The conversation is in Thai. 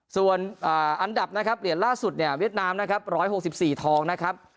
ส่วนอันดับนะครับเหรียญล่าสุดเนี่ยเวียดนามนะครับ๑๖๔ทองนะครับ